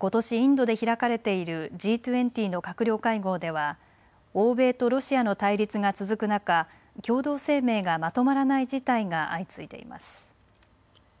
ことしインドで開かれているＧ２０の閣僚会合では欧米とロシアの対立が続く中、共同声明がまとまらない事態が相次いでいます。